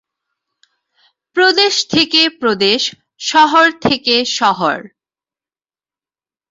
প্রদেশ থেকে প্রদেশ, শহর থেকে শহর।